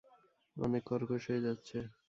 অনেক কর্কশ হয়ে যাচ্ছে।